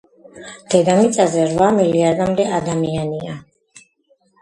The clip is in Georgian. დედამიწაზე რვა მილიარდამდე ადამიანია